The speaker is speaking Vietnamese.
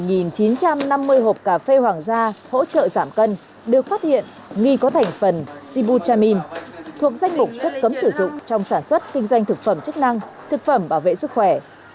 một chín trăm năm mươi hộp cà phê hoàng gia hỗ trợ giảm cân được phát hiện nghi có thành phần sibu chamine thuộc danh mục chất cấm sử dụng trong sản xuất kinh doanh thực phẩm chức năng thực phẩm bảo vệ sức khỏe